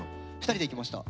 ２人で行きました。